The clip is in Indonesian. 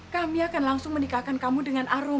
kami akan langsung menikahkan kamu dengan arum